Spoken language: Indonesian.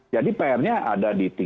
jadi pr nya ada di tiga t